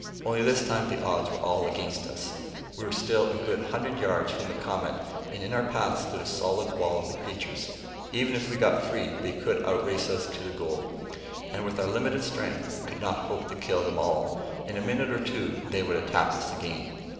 Only this time the odds were all against us. We were still a good hundred yards from the Comet, and in our path stood a solid wall of the creatures. Even if we got free, they could outrace us to the goal. And with our limited strength, we could not hope to kill them all. In a minute or two, they would attack us again.